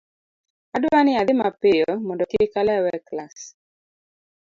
adwa ni adhi mapiyo mondo kik alew e klas